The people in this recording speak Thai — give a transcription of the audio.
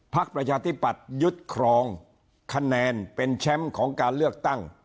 ประชาธิปัตยึดครองคะแนนเป็นแชมป์ของการเลือกตั้ง